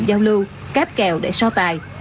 giao lưu cáp kèo để so tài